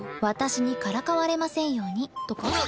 私にからかわれませんようにとか？